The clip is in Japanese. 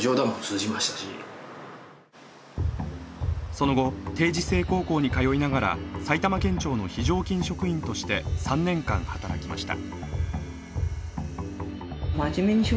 その後、定時制高校に通いながら埼玉県庁の非常勤職員として３年間働きました。